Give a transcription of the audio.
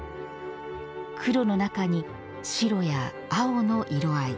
黒の中に白や青の色あい。